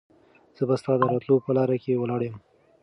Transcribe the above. زه به ستا د راتلو په لاره کې ولاړ یم.